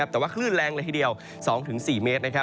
แต่ว่าคลื่นแรงเลยทีเดียว๒๔เมตร